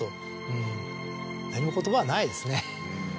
うん何も言葉はないですね。